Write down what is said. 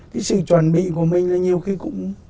cái sự chuẩn bị của mình là nhiều khi cũng